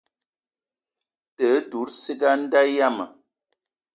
Te dout ciga a nda yiam.